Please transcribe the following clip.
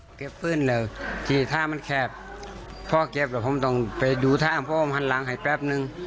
เก็บปืนแล้วที่ท่ามันแคบพอเก็บแล้วผมต้องไปดูทางพ่อผมหันหลังให้แป๊บนึง